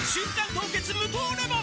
凍結無糖レモン」